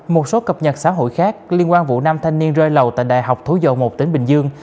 một số cập nhật xã hội khác liên quan vụ năm thanh niên rơi lầu tại đại học thủ dầu một tỉnh bình dương